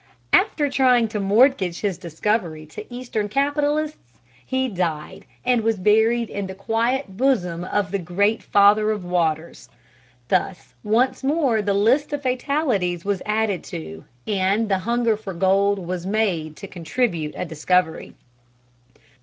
After trying to mortgage his discovery to Eastern capitalists, he died, and was buried in the quiet bosom of the Great Father of waters. Thus once more the list of fatalities was added to and the hunger for gold was made to contribute a discovery.